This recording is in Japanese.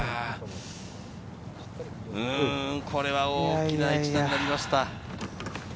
これは大きな一打になりました。